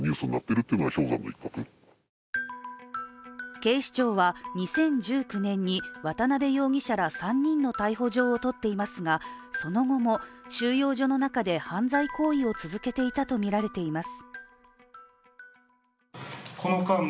警視庁は、２０１９年に渡辺容疑者ら３人の逮捕状を取っていますが、その後も収容所の中で犯罪行為を続けていたとみられています。